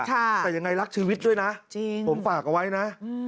แต่ยังไงรักชีวิตด้วยนะจริงผมฝากเอาไว้นะ